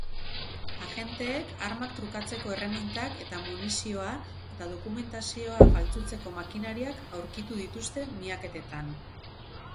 Agenteek armak trukatzeko erremintak eta munizioa eta dokumentazioa faltsutzeko makinariak aurkitu dituzte miaketetan.